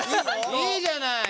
いいじゃないの。